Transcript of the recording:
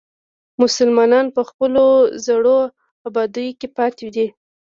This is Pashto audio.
مسلمانان په خپلو زړو ابادیو کې پاتې دي.